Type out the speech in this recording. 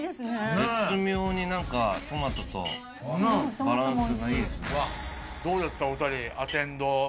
絶妙にトマトとバランスがいいですね